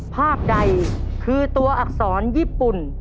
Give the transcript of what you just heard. ภาพใดคือตัวอักษรญี่ปุ่น